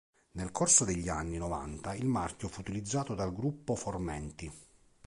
Nel corso degli anni novanta il marchio fu utilizzato dal Gruppo Formenti.